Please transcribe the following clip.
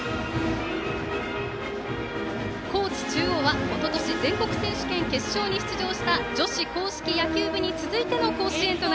高知中央は、おととし全国選手権決勝に出場した女子硬式野球部に続いての甲子園。